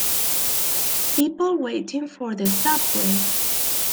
People waiting for the subway.